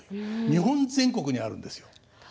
日本全国にあるんですよ。